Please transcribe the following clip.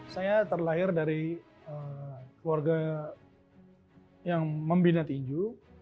saya terlahir dari keluarga yang membina tinju